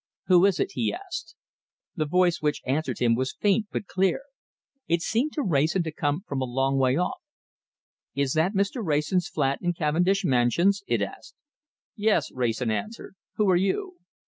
"Who is it?" he asked. The voice which answered him was faint but clear. It seemed to Wrayson to come from a long way off. "Is that Mr. Wrayson's flat in Cavendish Mansions?" it asked. "Yes!" Wrayson answered. "Who are you?"